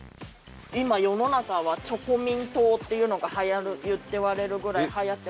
今世の中は「チョコミン党」っていうのが言われるぐらいはやってます。